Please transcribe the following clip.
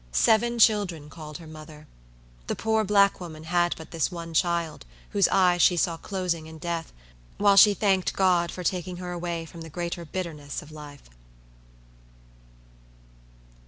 Seven children called her mother. The poor black woman had but the one child, whose eyes she saw closing in death, while she thanked God for taking her away from the greater bitterness of life.